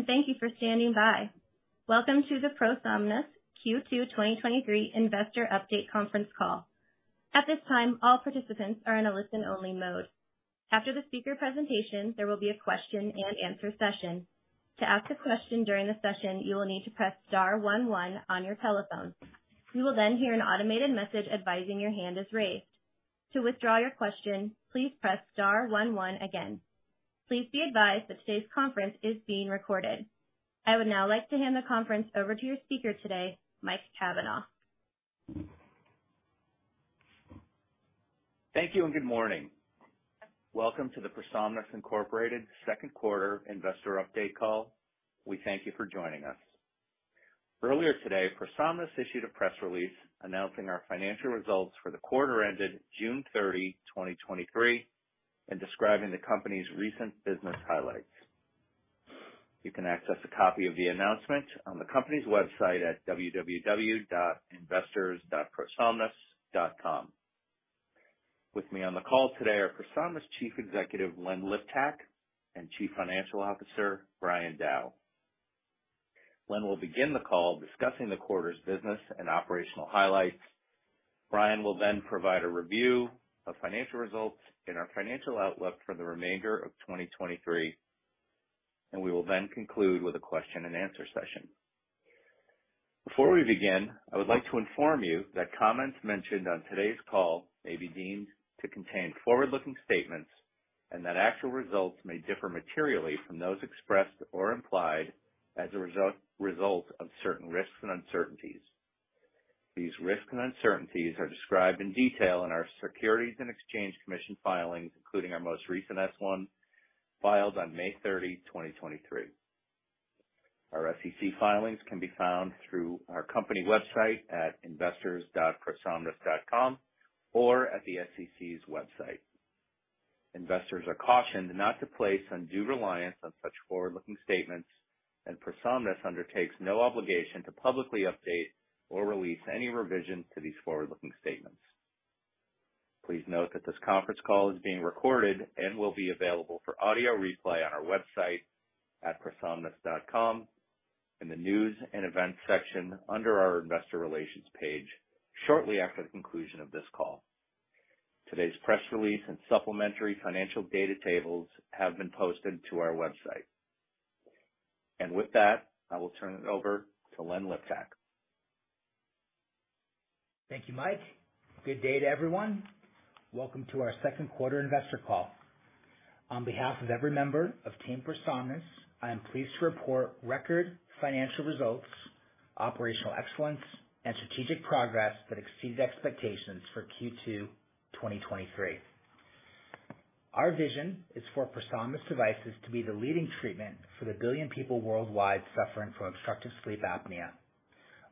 Hey, thank you for standing by. Welcome to the ProSomnus Q2 2023 Investor Update conference call. At this time, all participants are in a listen-only mode. After the speaker presentation, there will be a question-and-answer session. To ask a question during the session, you will need to press star one one on your telephone. You will then hear an automated message advising your hand is raised. To withdraw your question, please press star one one again. Please be advised that today's conference is being recorded. I would now like to hand the conference over to your speaker today, Mike Cavanaugh. Thank you and good morning. Welcome to the ProSomnus, Inc. Second Quarter Investor Update call. We thank you for joining us. Earlier today, ProSomnus issued a press release announcing our financial results for the quarter ended June 30, 2023, and describing the company's recent business highlights. You can access a copy of the announcement on the company's website at www.investors.prosomnus.com. With me on the call today are ProSomnus Chief Executive, Len Liptak, and Chief Financial Officer, Brian Dow. Len will begin the call discussing the quarter's business and operational highlights. Brian will then provide a review of financial results and our financial outlook for the remainder of 2023. We will then conclude with a question-and-answer session. Before we begin, I would like to inform you that comments mentioned on today's call may be deemed to contain forward-looking statements, and that actual results may differ materially from those expressed or implied as a result of certain risks and uncertainties. These risks and uncertainties are described in detail in our Securities and Exchange Commission filings, including our most recent S-1, filed on May 30, 2023. Our SEC filings can be found through our company website at investors.prosomnus.com, or at the SEC's website. Investors are cautioned not to place undue reliance on such forward-looking statements. ProSomnus undertakes no obligation to publicly update or release any revision to these forward-looking statements. Please note that this conference call is being recorded and will be available for audio replay on our website at prosomnus.com, in the News and Events section under our Investor Relations page, shortly after the conclusion of this call. Today's press release and supplementary financial data tables have been posted to our website. With that, I will turn it over to Len Liptak. Thank you, Mike. Good day to everyone. Welcome to our second quarter investor call. On behalf of every member of Team ProSomnus, I am pleased to report record financial results, operational excellence, and strategic progress that exceeds expectations for Q2 2023. Our vision is for ProSomnus devices to be the leading treatment for the billion people worldwide suffering from obstructive sleep apnea.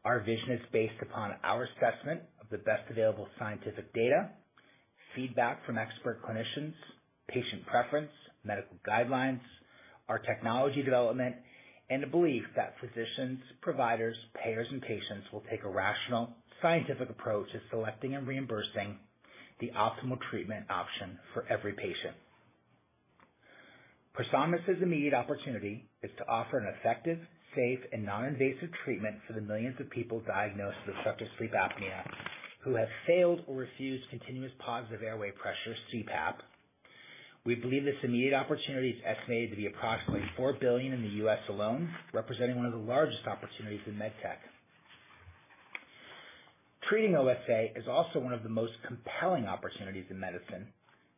Our vision is based upon our assessment of the best available scientific data, feedback from expert clinicians, patient preference, medical guidelines, our technology development, and a belief that physicians, providers, payers, and patients will take a rational, scientific approach to selecting and reimbursing the optimal treatment option for every patient. ProSomnus' immediate opportunity is to offer an effective, safe, and non-invasive treatment for the millions of people diagnosed with obstructive sleep apnea, who have failed or refused continuous positive airway pressure, CPAP. We believe this immediate opportunity is estimated to be approximately $4 billion in the U.S. alone, representing one of the largest opportunities in medtech. Treating OSA is also one of the most compelling opportunities in medicine.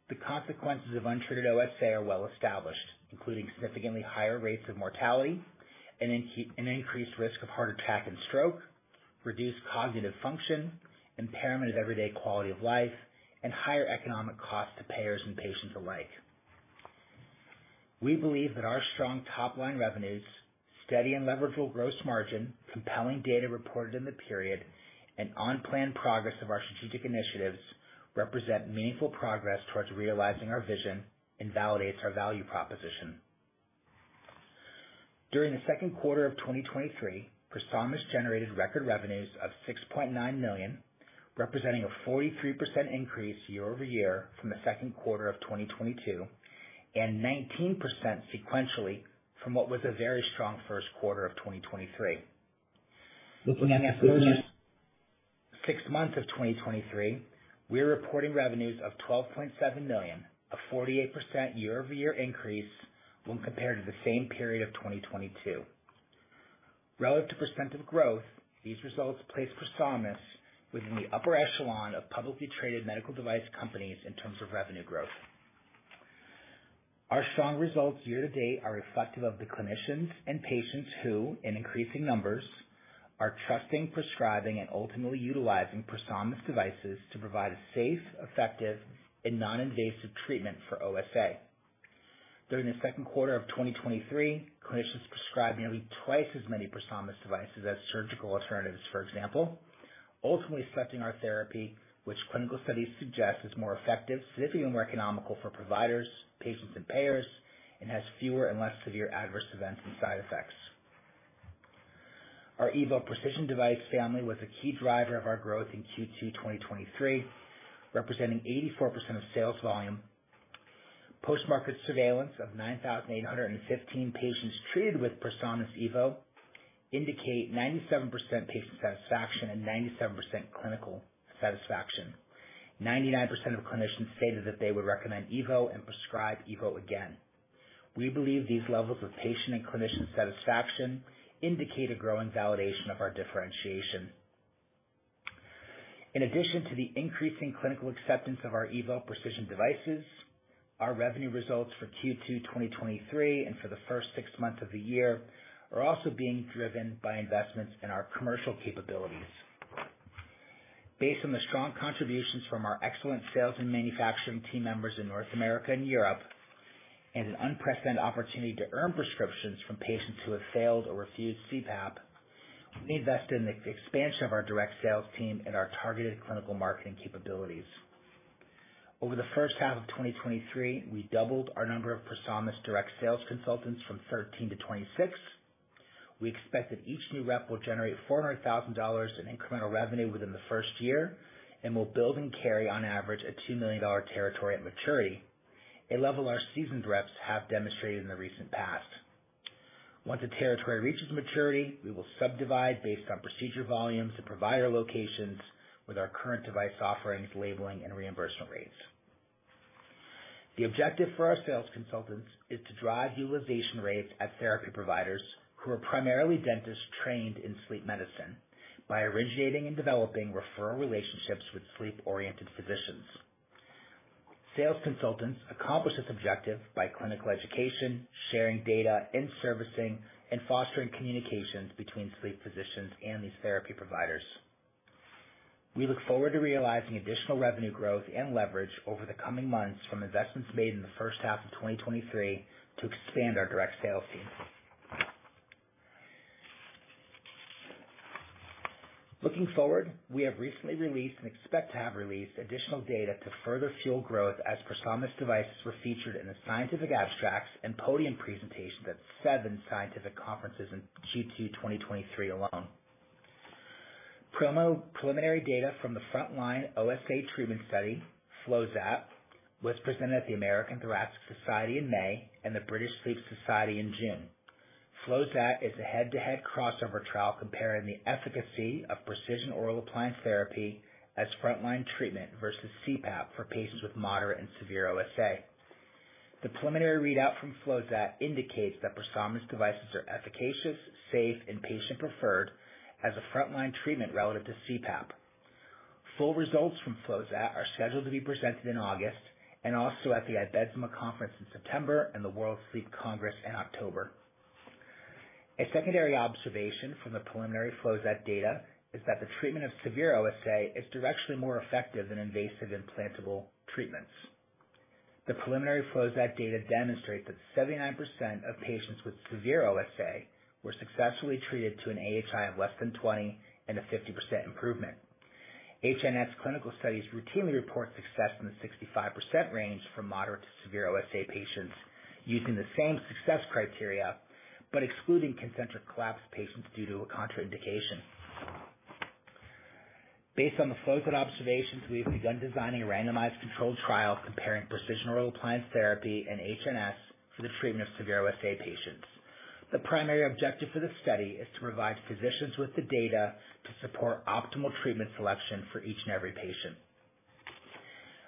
The consequences of untreated OSA are well established, including significantly higher rates of mortality, an increased risk of heart attack and stroke, reduced cognitive function, impairment of everyday quality of life, and higher economic costs to payers and patients alike. We believe that our strong top-line revenues, steady and leveragable gross margin, compelling data reported in the period, and on-plan progress of our strategic initiatives, represent meaningful progress towards realizing our vision and validates our value proposition. During the second quarter of 2023, ProSomnus generated record revenues of $6.9 million, representing a 43% increase year-over-year from the second quarter of 2022, and 19 sequentially from what was a very strong first quarter of 2023. Looking at the first six months of 2023, we are reporting revenues of $12.7 million, a 48% year-over-year increase when compared to the same period of 2022. Relative to percentage growth, these results place ProSomnus within the upper echelon of publicly traded medical device companies in terms of revenue growth. Our strong results year-to-date are reflective of the clinicians and patients who, in increasing numbers, are trusting, prescribing, and ultimately utilizing ProSomnus devices to provide a safe, effective, and non-invasive treatment for OSA. During the second quarter of 2023, clinicians prescribed nearly twice as many ProSomnus devices as surgical alternatives, for example, ultimately selecting our therapy, which clinical studies suggest is more effective, significantly more economical for providers, patients, and payers, and has fewer and less severe adverse events and side effects. Our EVO precision device family was a key driver of our growth in Q2 2023, representing 84% of sales volume. Post-market surveillance of 9,815 patients treated with ProSomnus EVO indicate 97% patient satisfaction and 97% clinical satisfaction. 99% of clinicians stated that they would recommend EVO and prescribe EVO again. We believe these levels of patient and clinician satisfaction indicate a growing validation of our differentiation. In addition to the increasing clinical acceptance of our EVO precision devices, our revenue results for Q2 2023 and for the first six months of the year, are also being driven by investments in our commercial capabilities. Based on the strong contributions from our excellent sales and manufacturing team members in North America and Europe, and an unprecedented opportunity to earn prescriptions from patients who have failed or refused CPAP, we invested in the expansion of our direct sales team and our targeted clinical marketing capabilities. Over the first half of 2023, we doubled our number of ProSomnus direct sales consultants from 13 to 26. We expect that each new rep will generate $400,000 in incremental revenue within the first year and will build and carry, on average, a $2 million territory at maturity, a level our seasoned reps have demonstrated in the recent past. Once a territory reaches maturity, we will subdivide based on procedure volumes and provider locations with our current device offerings, labeling, and reimbursement rates. The objective for our sales consultants is to drive utilization rates at therapy providers, who are primarily dentists trained in sleep medicine, by originating and developing referral relationships with sleep-oriented physicians. Sales consultants accomplish this objective by clinical education, sharing data in servicing, and fostering communications between sleep physicians and these therapy providers. We look forward to realizing additional revenue growth and leverage over the coming months from investments made in the first half of 2023 to expand our direct sales team. Looking forward, we have recently released and expect to have released additional data to further fuel growth as ProSomnus devices were featured in the scientific abstracts and podium presentations at seven scientific conferences in Q2 2023 alone. Preliminary data from the Front Line OSA Treatment Study, FLOSAT, was presented at the American Thoracic Society in May and the British Sleep Society in June. FLOSAT is a head-to-head crossover trial comparing the efficacy of Precision Oral Appliance Therapy as frontline treatment versus CPAP for patients with moderate and severe OSA. The preliminary readout from FLOSAT indicates that ProSomnus devices are efficacious, safe, and patient-preferred as a frontline treatment relative to CPAP. Full results from FLOSAT are scheduled to be presented in August and also at the Apnea Conference in September and the World Sleep Congress in October. A secondary observation from the preliminary FLOSAT data is that the treatment of severe OSA is directionally more effective than invasive implantable treatments. The preliminary FLOSAT data demonstrate that 79% of patients with severe OSA were successfully treated to an AHI of less than 20 and a 50% improvement. HNS clinical studies routinely report success in the 65% range for moderate to severe OSA patients, using the same success criteria, but excluding concentric collapse patients due to a contraindication. Based on the FLOSAT observations, we have begun designing a randomized controlled trial comparing precision oral appliance therapy and HNS for the treatment of severe OSA patients. The primary objective for the study is to provide physicians with the data to support optimal treatment selection for each and every patient.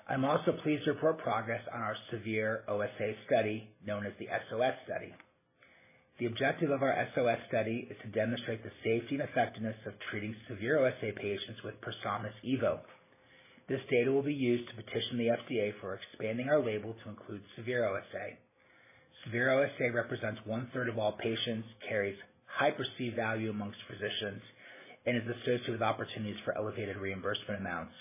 I'm also pleased to report progress on our severe OSA study, known as the SOS study. The objective of our SOS study is to demonstrate the safety and effectiveness of treating severe OSA patients with ProSomnus EVO. This data will be used to petition the FDA for expanding our label to include severe OSA. Severe OSA represents one-third of all patients, carries high perceived value amongst physicians, and is associated with opportunities for elevated reimbursement amounts.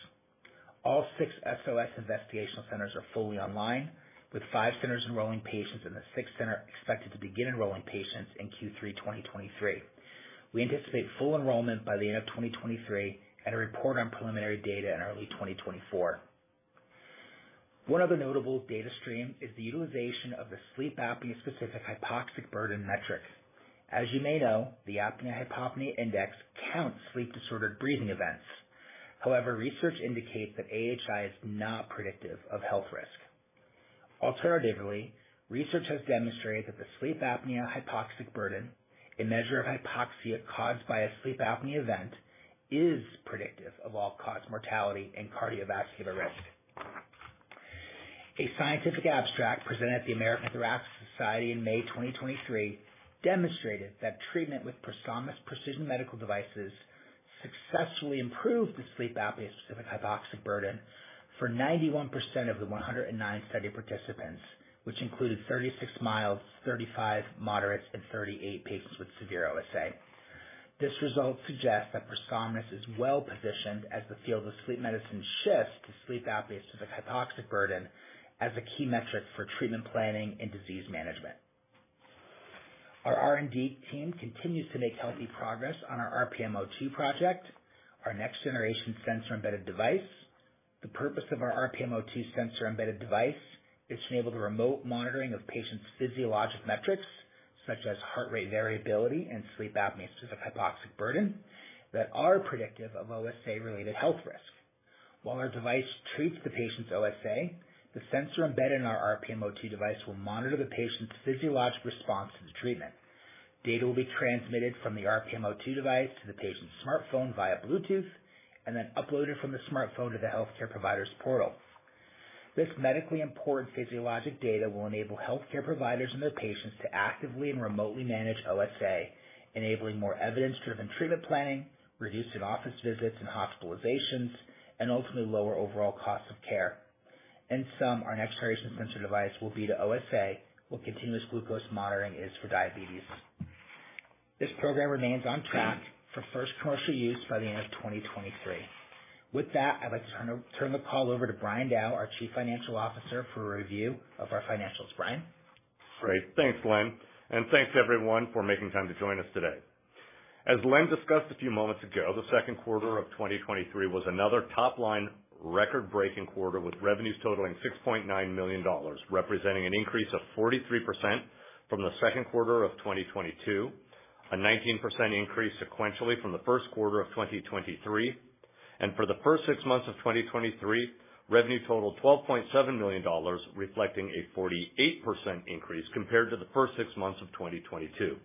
All six SOS investigational centers are fully online, with five centers enrolling patients, and the sixth center expected to begin enrolling patients in Q3 2023. We anticipate full enrollment by the end of 2023, and a report on preliminary data in early 2024. One other notable data stream is the utilization of the sleep apnea-specific hypoxic burden metrics. As you may know, the apnea-hypopnea index counts sleep-disordered breathing events. However, research indicates that AHI is not predictive of health risk. Alternatively, research has demonstrated that the sleep apnea hypoxic burden, a measure of hypoxia caused by a sleep apnea event, is predictive of all-cause mortality and cardiovascular risk. A scientific abstract presented at the American Thoracic Society in May 2023, demonstrated that treatment with ProSomnus precision medical devices successfully improved the sleep apnea-specific hypoxic burden for 91% of the 109 study participants, which included 36 mild, 35 moderates, and 38 patients with severe OSA. This result suggests that ProSomnus is well-positioned as the field of sleep medicine shifts to sleep apnea-specific hypoxic burden as a key metric for treatment planning and disease management. Our R&D team continues to make healthy progress on our RPMO2 project, our next-generation sensor-embedded device....The purpose of our RPMO2 sensor-embedded device is to enable the remote monitoring of patients' physiologic metrics, such as heart rate variability and sleep apnea-specific hypoxic burden, that are predictive of OSA-related health risk. While our device treats the patient's OSA, the sensor embedded in our RPMO2 device will monitor the patient's physiologic response to the treatment. Data will be transmitted from the RPMO2 device to the patient's smartphone via Bluetooth, and then uploaded from the smartphone to the healthcare provider's portal. This medically important physiologic data will enable healthcare providers and their patients to actively and remotely manage OSA, enabling more evidence-driven treatment planning, reducing office visits and hospitalizations, and ultimately lower overall costs of care. In sum, our next generation sensor device will be to OSA, what continuous glucose monitoring is for diabetes. This program remains on track for first commercial use by the end of 2023. With that, I'd like to turn the call over to Brian Dow, our Chief Financial Officer, for a review of our financials. Brian? Great. Thanks, Len, thanks everyone for making time to join us today. As Len discussed a few moments ago, the second quarter of 2023 was another top-line record-breaking quarter, with revenues totaling $6.9 million, representing an increase of 43% from the second quarter of 2022, a 19% increase sequentially from the first quarter of 2023. For the first six months of 2023, revenue totaled $12.7 million, reflecting a 48% increase compared to the first six months of 2022.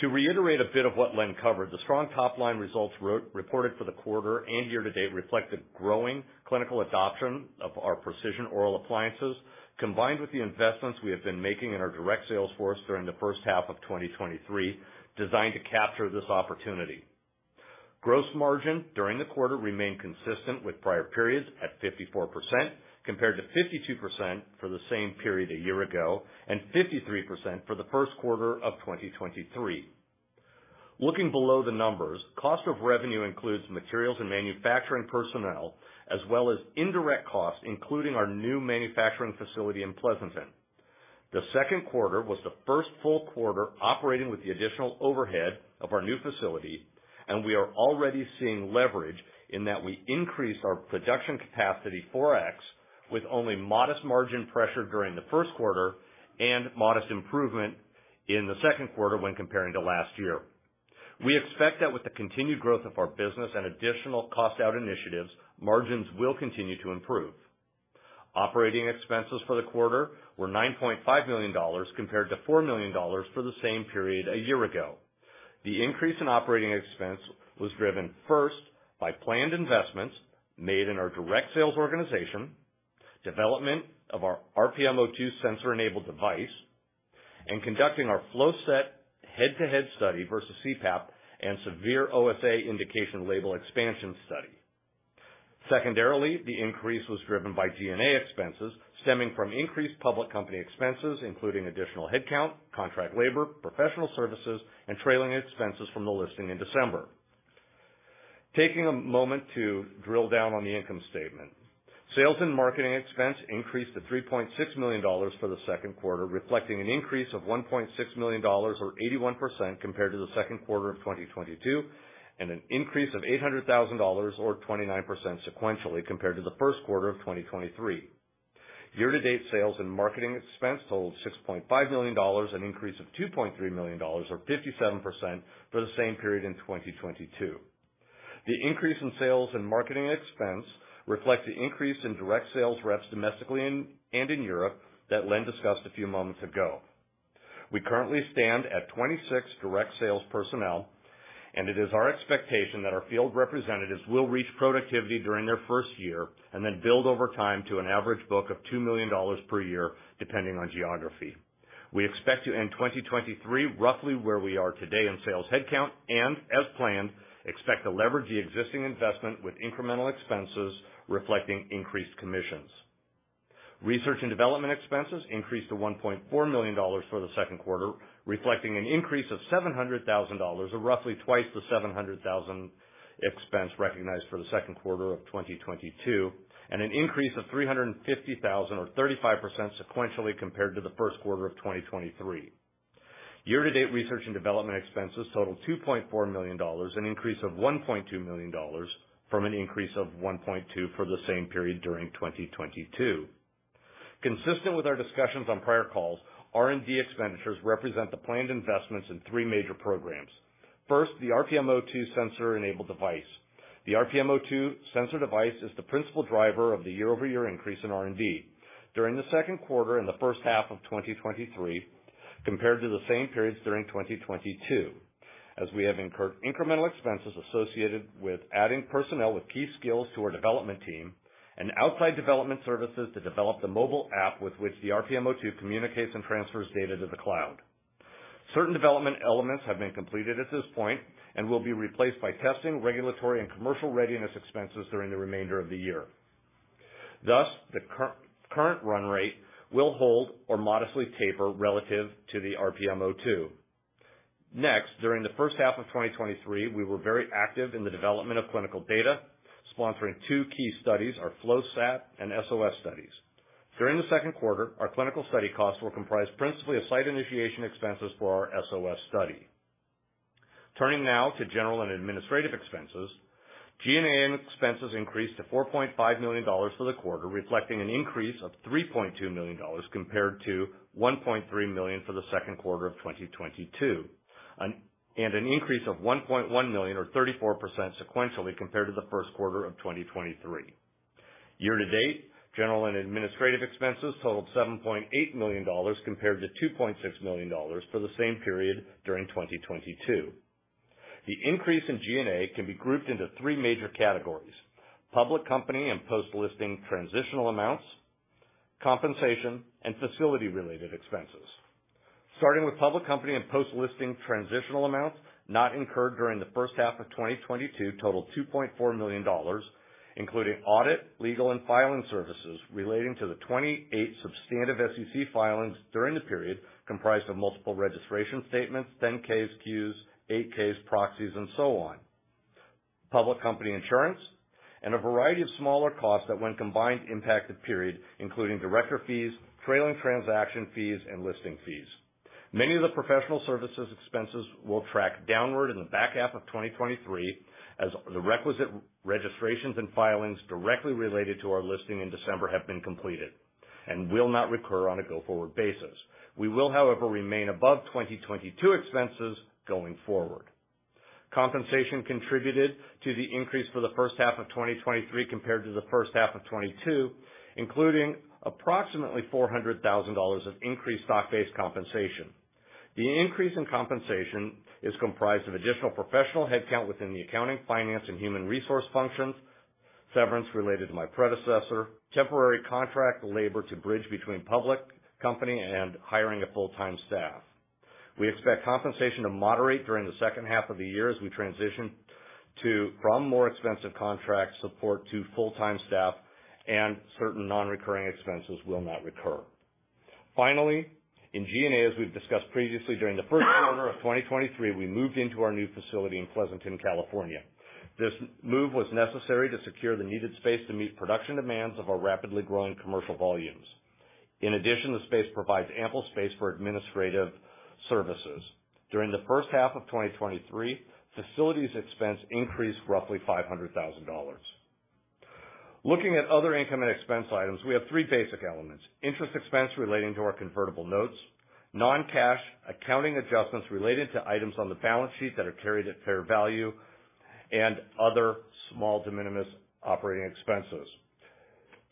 To reiterate a bit of what Len covered, the strong top line results reported for the quarter and year to date reflect the growing clinical adoption of our precision oral appliances, combined with the investments we have been making in our direct sales force during the first half of 2023, designed to capture this opportunity. Gross margin during the quarter remained consistent with prior periods at 54%, compared to 52% for the same period a year ago, and 53% for the first quarter of 2023. Looking below the numbers, cost of revenue includes materials and manufacturing personnel, as well as indirect costs, including our new manufacturing facility in Pleasanton. The second quarter was the first full quarter operating with the additional overhead of our new facility, and we are already seeing leverage in that we increased our production capacity 4x, with only modest margin pressure during the first quarter and modest improvement in the second quarter when comparing to last year. We expect that with the continued growth of our business and additional cost-out initiatives, margins will continue to improve. Operating expenses for the quarter were $9.5 million, compared to $4 million for the same period a year ago. The increase in operating expense was driven first by planned investments made in our direct sales organization, development of our RPMO2 sensor-enabled device, and conducting our FLOSAT head-to-head study versus CPAP and severe OSA indication label expansion study. Secondarily, the increase was driven by G&A expenses stemming from increased public company expenses, including additional headcount, contract labor, professional services, and trailing expenses from the listing in December. Taking a moment to drill down on the income statement. Sales and marketing expense increased to $3.6 million for the second quarter, reflecting an increase of $1.6 million, or 81% compared to the second quarter of 2022, and an increase of $800,000, or 29% sequentially compared to the first quarter of 2023. Year to date, sales and marketing expense totaled $6.5 million, an increase of $2.3 million, or 57% for the same period in 2022. The increase in sales and marketing expense reflect the increase in direct sales reps domestically and in Europe that Len discussed a few moments ago. We currently stand at 26 direct sales personnel, and it is our expectation that our field representatives will reach productivity during their first year and then build over time to an average book of $2 million per year, depending on geography. We expect to end 2023 roughly where we are today in sales headcount, and as planned, expect to leverage the existing investment with incremental expenses reflecting increased commissions. Research and development expenses increased to $1.4 million for the second quarter, reflecting an increase of $700,000, or roughly twice the $700,000 expense recognized for the second quarter of 2022, and an increase of $350,000, or 35% sequentially, compared to the first quarter of 2023. Year to date, research and development expenses total $2.4 million, an increase of $1.2 million from an increase of $1.2 million for the same period during 2022. Consistent with our discussions on prior calls, R&D expenditures represent the planned investments in three major programs. First, the RPMO2 sensor-enabled device. The RPMO2 sensor device is the principal driver of the year-over-year increase in R&D. During the second quarter and the first half of 2023, compared to the same periods during 2022, as we have incurred incremental expenses associated with adding personnel with key skills to our development team and outside development services to develop the mobile app with which the RPMO2 communicates and transfers data to the cloud. Certain development elements have been completed at this point and will be replaced by testing, regulatory, and commercial readiness expenses during the remainder of the year. Thus, the current run rate will hold or modestly taper relative to the RPMO2. Next, during the first half of 2023, we were very active in the development of clinical data, sponsoring two key studies, our FLOSAT and SOS studies. During the second quarter, our clinical study costs were comprised principally of site initiation expenses for our SOS study. Turning now to general and administrative expenses. G&A expenses increased to $4.5 million for the quarter, reflecting an increase of $3.2 million compared to $1.3 million for the second quarter of 2022, and an increase of $1.1 million, or 34% sequentially, compared to the first quarter of 2023. Year to date, G&A expenses totaled $7.8 million, compared to $2.6 million for the same period during 2022. The increase in G&A can be grouped into three major categories: public company and post-listing transitional amounts, compensation, and facility-related expenses. Starting with public company and post-listing transitional amounts not incurred during the first half of 2022 totaled $2.4 million, including audit, legal, and filing services relating to the 28 substantive SEC filings during the period, comprised of multiple registration statements, 10-Ks, Qs, 8-Ks, proxies, and so on. Public company insurance and a variety of smaller costs that, when combined, impact the period, including director fees, trailing transaction fees, and listing fees. Many of the professional services expenses will track downward in the back half of 2023, as the requisite registrations and filings directly related to our listing in December have been completed and will not recur on a go-forward basis. We will, however, remain above 2022 expenses going forward. Compensation contributed to the increase for the first half of 2023 compared to the first half of 2022, including approximately $400,000 of increased stock-based compensation. The increase in compensation is comprised of additional professional headcount within the accounting, finance, and human resource functions, severance related to my predecessor, temporary contract labor to bridge between public company and hiring a full-time staff. We expect compensation to moderate during the second half of the year as we transition from more expensive contract support to full-time staff, and certain non-recurring expenses will not recur. Finally, in G&A, as we've discussed previously, during the first quarter of 2023, we moved into our new facility in Pleasanton, California. This move was necessary to secure the needed space to meet production demands of our rapidly growing commercial volumes. In addition, the space provides ample space for administrative services. During the first half of 2023, facilities expense increased roughly $500,000. Looking at other income and expense items, we have three basic elements: interest expense relating to our convertible notes, non-cash accounting adjustments related to items on the balance sheet that are carried at fair value, and other small de minimis operating expenses.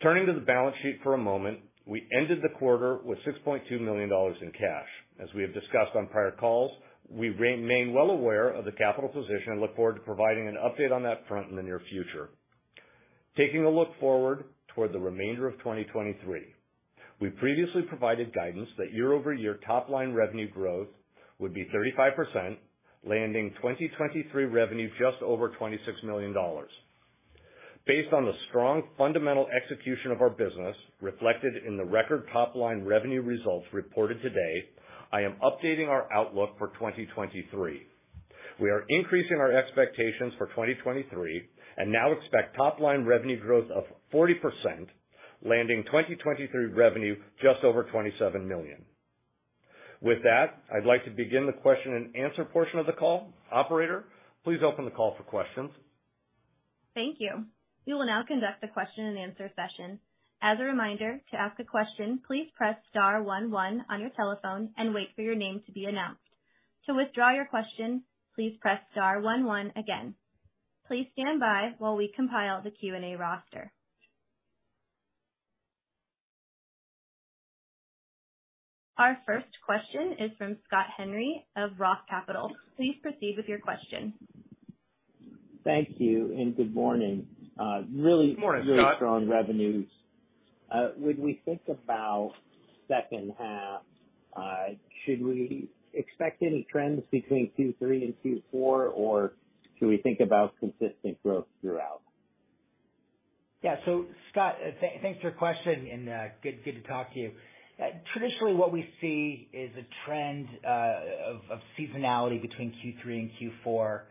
Turning to the balance sheet for a moment, we ended the quarter with $6.2 million in cash. As we have discussed on prior calls, we remain well aware of the capital position and look forward to providing an update on that front in the near future. Taking a look forward toward the remainder of 2023, we previously provided guidance that year-over-year top-line revenue growth would be 35%, landing 2023 revenue just over $26 million. Based on the strong fundamental execution of our business reflected in the record top-line revenue results reported today, I am updating our outlook for 2023. We are increasing our expectations for 2023 and now expect top-line revenue growth of 40%, landing 2023 revenue just over $27 million. With that, I'd like to begin the question and answer portion of the call. Operator, please open the call for questions. Thank you. We will now conduct the question and answer session. As a reminder, to ask a question, please press star one one on your telephone and wait for your name to be announced. To withdraw your question, please press star one one again. Please stand by while we compile the Q&A roster. Our first question is from Scott Henry of Roth Capital. Please proceed with your question. Thank you, good morning. Good morning, Scott. strong revenues. When we think about second half, should we expect any trends between Q3 and Q4, or should we think about consistent growth throughout? Yeah. Scott, thanks for your question and good, good to talk to you. Traditionally, what we see is a trend of seasonality between Q3 and Q4.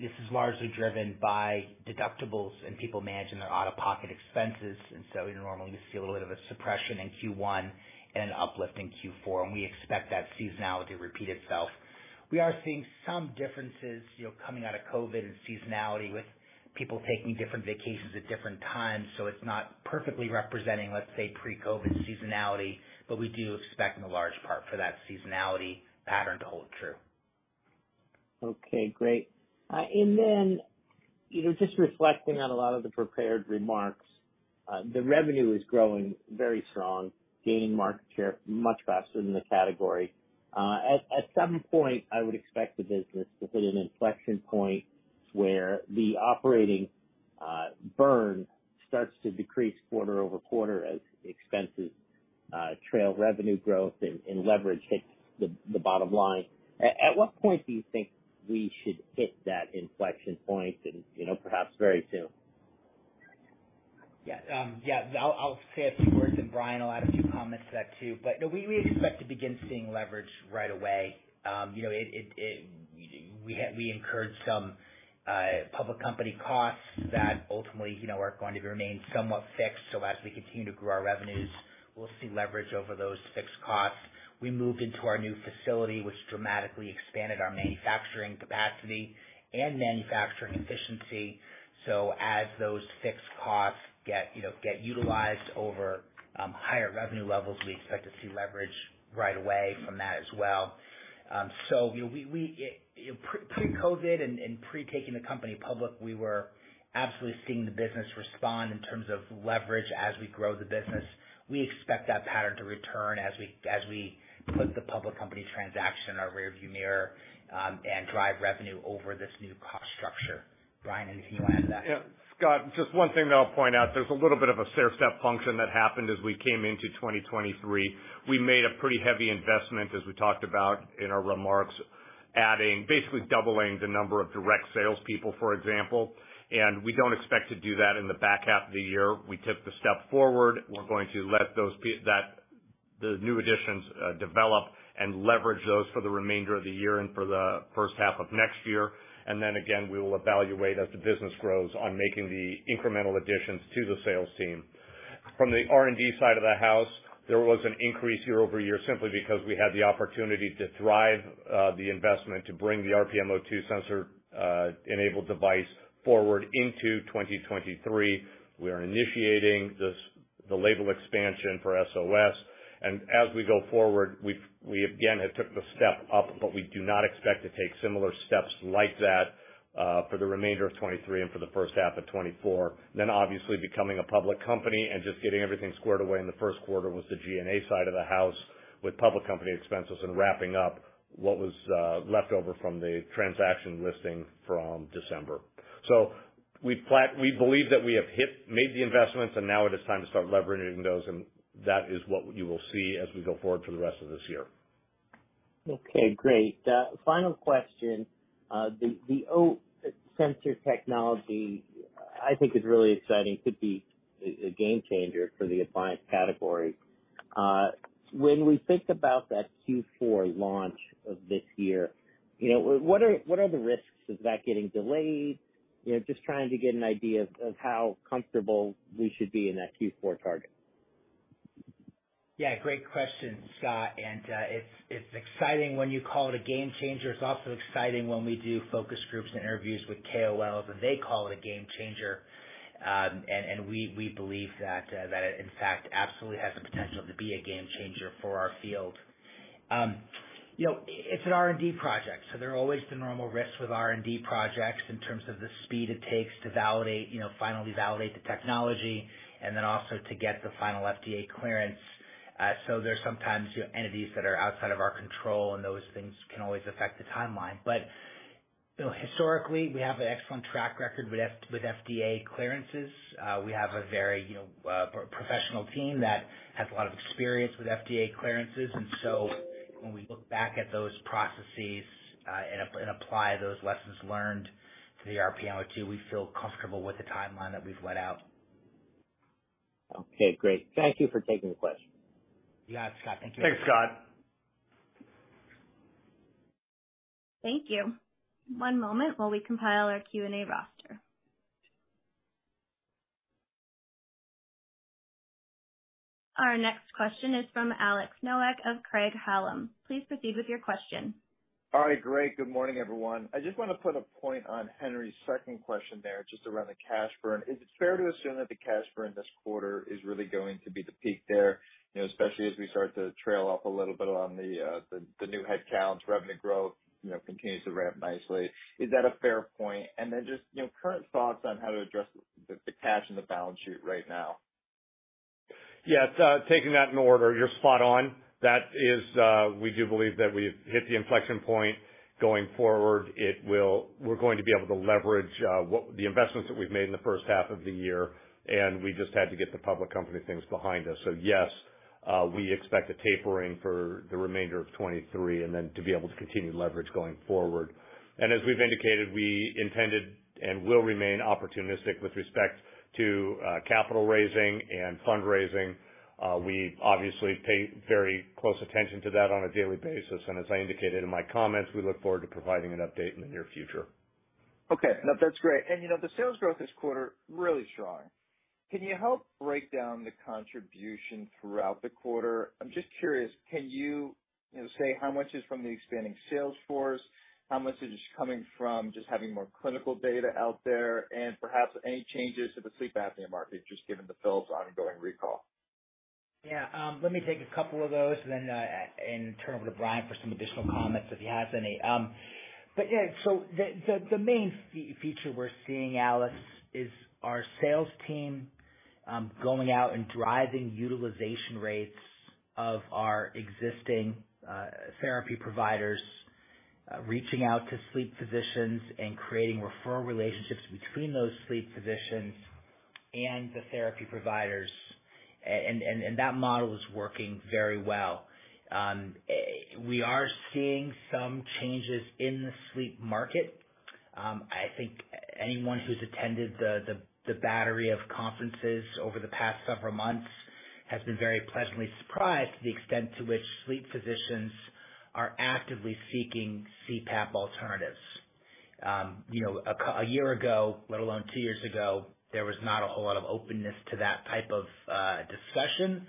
This is largely driven by deductibles and people managing their out-of-pocket expenses, and so you normally see a little bit of a suppression in Q1 and an uplift in Q4, and we expect that seasonality to repeat itself. We are seeing some differences, you know, coming out of COVID and seasonality with people taking different vacations at different times, so it's not perfectly representing, let's say, pre-COVID seasonality, but we do expect in large part for that seasonality pattern to hold true. Okay, great. you know, just reflecting on a lot of the prepared remarks, the revenue is growing very strong, gaining market share much faster than the category. At some point, I would expect the business to hit an inflection point where the operating burn starts to decrease quarter-over-quarter as expenses trail revenue growth and leverage hits the bottom line. At what point do you think we should hit that inflection point? you know, perhaps very soon. Yeah. Yeah, I'll, I'll say a few words and Brian will add a few comments to that too. No, we, we expect to begin seeing leverage right away. You know, we incurred some public company costs that ultimately, you know, are going to remain somewhat fixed. As we continue to grow our revenues, we'll see leverage over those fixed costs. We moved into our new facility, which dramatically expanded our manufacturing capacity and manufacturing efficiency. As those fixed costs get, you know, get utilized over higher revenue levels, we expect to see leverage right away from that as well. You know, we, we pre-COVID and, and pre-taking the company public, we were absolutely seeing the business respond in terms of leverage as we grow the business. We expect that pattern to return as we, as we put the public company transaction in our rearview mirror, and drive revenue over this new cost structure. Brian, anything you want to add to that? Yeah, Scott, just one thing that I'll point out. There's a little bit of a stair-step function that happened as we came into 2023. We made a pretty heavy investment, as we talked about in our remarks, adding -- basically doubling the number of direct salespeople, for example. We don't expect to do that in the back half of the year. We took the step forward. We're going to let those that, the new additions, develop and leverage those for the remainder of the year and for the first half of next year. Then again, we will evaluate, as the business grows, on making the incremental additions to the sales team. From the R&D side of the house, there was an increase year-over-year simply because we had the opportunity to thrive the investment to bring the RPMO2 sensor enabled device forward into 2023. We are initiating this, the label expansion for SOS. As we go forward, we again have took the step up, but we do not expect to take similar steps like that for the remainder of 2023 and for the first half of 2024. Obviously becoming a public company and just getting everything squared away in the first quarter was the G&A side of the house, with public company expenses and wrapping up what was left over from the transaction listing from December. We believe that we have made the investments, and now it is time to start leveraging those, and that is what you will see as we go forward for the rest of this year. Okay, great. Final question. The O2 sensor technology, I think is really exciting, could be a game changer for the appliance category. When we think about that Q4 launch of this year, you know, what are the risks of that getting delayed? You know, just trying to get an idea of how comfortable we should be in that Q4 target. Yeah, great question, Scott. It's, it's exciting when you call it a game changer. It's also exciting when we do focus groups and interviews with KOLs, and they call it a game changer. We, we believe that, that it, in fact, absolutely has the potential to be a game changer for our field. You know, it's an R&D project, so there are always the normal risks with R&D projects in terms of the speed it takes to validate, you know, finally validate the technology and then also to get the final FDA clearance. So there are some times, you know, entities that are outside of our control, and those things can always affect the timeline. You know, historically, we have an excellent track record with FDA clearances. We have a very, you know, professional team that has a lot of experience with FDA clearances. When we look back at those processes, and apply those lessons learned to the RPMO2, we feel comfortable with the timeline that we've laid out. Okay, great. Thank you for taking the question. Yeah, Scott. Thank you. Thanks, Scott. Thank you. One moment while we compile our Q&A roster. Our next question is from Alex Nowak of Craig-Hallum. Please proceed with your question. All right, great. Good morning, everyone. I just want to put a point on Scott Henry's second question there, just around the cash burn. Is it fair to assume that the cash burn this quarter is really going to be the peak there, you know, especially as we start to trail off a little bit on the, the, the new headcounts, revenue growth, you know, continues to ramp nicely. Is that a fair point? Then just, you know, current thoughts on how to address the, the cash in the balance sheet right now. taking that in order, you're spot on. That is, we do believe that we've hit the inflection point. Going forward, we're going to be able to leverage the investments that we've made in the first half of the year, and we just had to get the public company things behind us. yes, we expect a tapering for the remainder of 2023 and then to be able to continue to leverage going forward. as we've indicated, we intended and will remain opportunistic with respect to, capital raising and fundraising. we obviously pay very close attention to that on a daily basis, and as I indicated in my comments, we look forward to providing an update in the near future. Okay, no, that's great. You know, the sales growth this quarter, really strong. Can you help break down the contribution throughout the quarter? I'm just curious, can you, you know, say how much is from the expanding sales force? How much is coming from just having more clinical data out there? Perhaps any changes to the sleep apnea market, just given the Philips ongoing recall? Yeah, let me take a couple of those and then, and turn it over to Brian for some additional comments, if he has any. Yeah, the, the, the main feature we're seeing, Alex, is our sales team, going out and driving utilization rates of our existing, therapy providers, reaching out to sleep physicians, and creating referral relationships between those sleep physicians and the therapy providers. That model is working very well. We are seeing some changes in the sleep market. I think anyone who's attended the, the, the battery of conferences over the past several months has been very pleasantly surprised at the extent to which sleep physicians are actively seeking CPAP alternatives.... You know, a year ago, let alone two years ago, there was not a whole lot of openness to that type of discussion.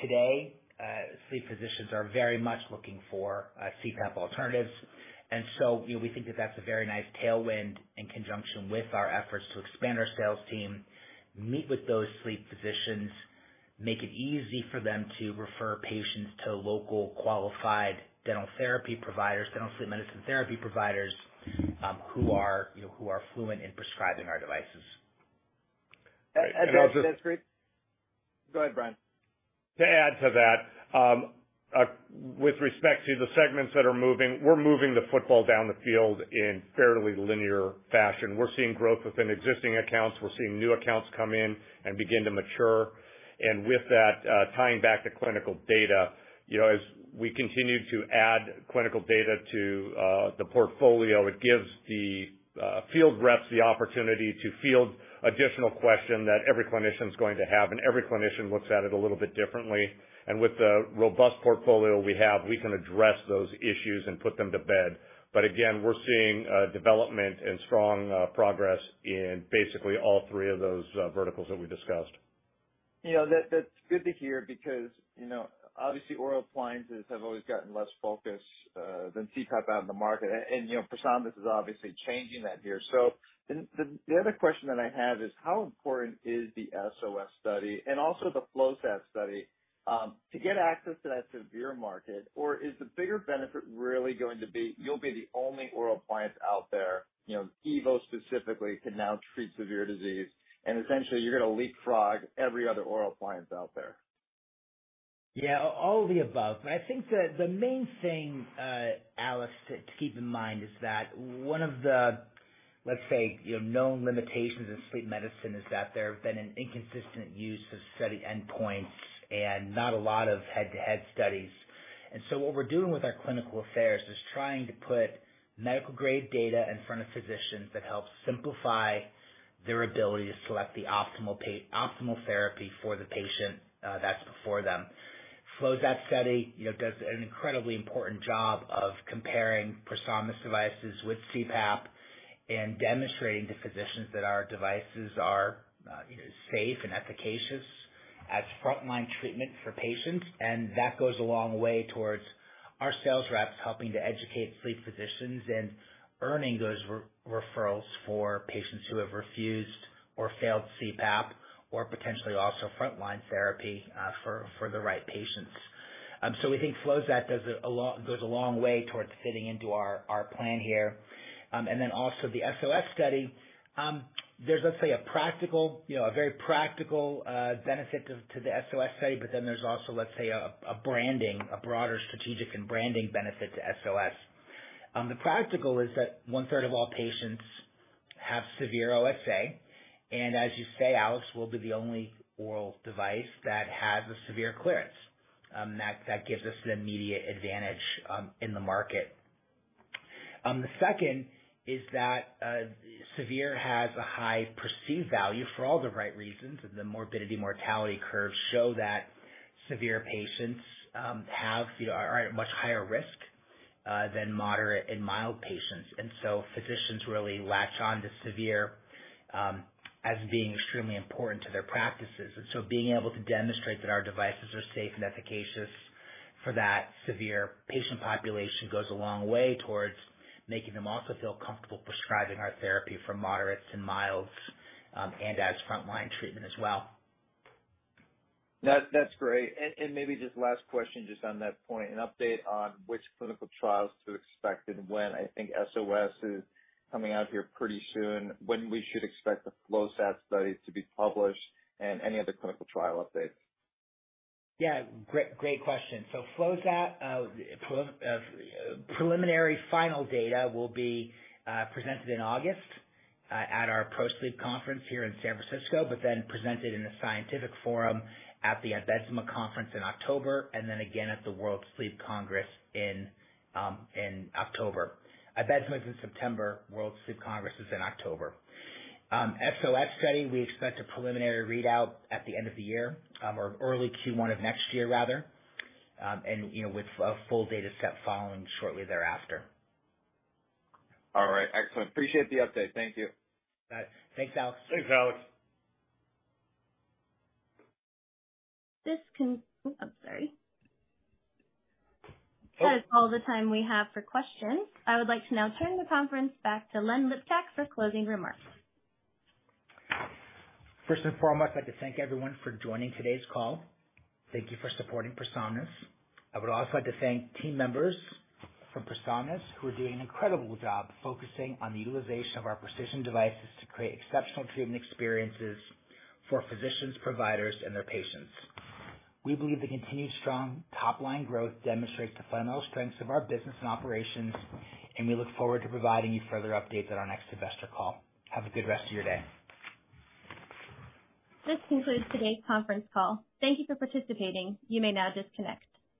Today, sleep physicians are very much looking for CPAP alternatives. You know, we think that that's a very nice tailwind in conjunction with our efforts to expand our sales team, meet with those sleep physicians, make it easy for them to refer patients to local qualified dental therapy providers, dental sleep medicine therapy providers, who are, you know, fluent in prescribing our devices. And, and also- That's great. Go ahead, Brian. To add to that, with respect to the segments that are moving, we're moving the football down the field in fairly linear fashion. We're seeing growth within existing accounts. We're seeing new accounts come in and begin to mature. With that, tying back to clinical data, you know, as we continue to add clinical data to the portfolio, it gives the field reps the opportunity to field additional question that every clinician's going to have, and every clinician looks at it a little bit differently. With the robust portfolio we have, we can address those issues and put them to bed. Again, we're seeing development and strong progress in basically all three of those verticals that we discussed. You know, that's good to hear because, you know, obviously oral appliances have always gotten less focus than CPAP out in the market. You know, ProSomnus, this is obviously changing that here. The other question that I have is: How important is the SOS study and also the FLOSAT study to get access to that severe market, or is the bigger benefit really going to be, you'll be the only oral appliance out there, you know, EVO specifically, can now treat severe disease, and essentially you're gonna leapfrog every other oral appliance out there? Yeah, all of the above. I think the main thing, Alex, to keep in mind is that one of the, let's say, you know, known limitations of sleep medicine is that there have been an inconsistent use of study endpoints and not a lot of head-to-head studies. So what we're doing with our clinical affairs is trying to put medical-grade data in front of physicians that helps simplify their ability to select the optimal therapy for the patient that's before them. FLOSAT study, you know, does an incredibly important job of comparing ProSomnus devices with CPAP and demonstrating to physicians that our devices are, you know, safe and efficacious as frontline treatment for patients. ng way towards our sales reps helping to educate sleep physicians and earning those re-referrals for patients who have refused or failed CPAP or potentially also frontline therapy for the right patients. So we think FLOSAT does a long... goes a long way towards fitting into our plan here. And then also the SOS study. There's, let's say, a practical, you know, a very practical benefit to the SOS study, but then there's also, let's say, a branding, a broader strategic and branding benefit to SOS. The practical is that 1/3 of all patients have severe OSA, and as you say, Alex, we'll be the only oral device that has a severe clearance, that gives us an immediate advantage in the market The second is that severe has a high perceived value for all the right reasons. The morbidity, mortality curves show that severe patients, have, you know, are, are at much higher risk than moderate and mild patients. So physicians really latch on to severe as being extremely important to their practices. So being able to demonstrate that our devices are safe and efficacious for that severe patient population goes a long way towards making them also feel comfortable prescribing our therapy for moderates and milds, and as frontline treatment as well. That, that's great. Maybe just last question, just on that point, an update on which clinical trials to expect and when. I think SOS is coming out here pretty soon, when we should expect the FLOSAT study to be published and any other clinical trial updates. Yeah, great, great question. FLOSAT, preliminary final data will be presented in August at our ProSleep conference here in San Francisco, but then presented in a scientific forum at the Apnea Conference in October, and then again at the World Sleep Congress in October. Apnea is in September, World Sleep Congress is in October. SOS study, we expect a preliminary readout at the end of the year, or early Q1 of next year, rather. You know, with a full data set following shortly thereafter. All right. Excellent. Appreciate the update. Thank you. Bye. Thanks, Alex. Thanks, Alex. I'm sorry. That is all the time we have for questions. I would like to now turn the conference back to Len Liptak for closing remarks. First and foremost, I'd like to thank everyone for joining today's call. Thank you for supporting ProSomnus. I would also like to thank team members from ProSomnus, who are doing an incredible job focusing on the utilization of our precision devices to create exceptional treatment experiences for physicians, providers, and their patients. We believe the continued strong top-line growth demonstrates the fundamental strengths of our business and operations, and we look forward to providing you further updates at our next investor call. Have a good rest of your day. This concludes today's conference call. Thank you for participating. You may now disconnect.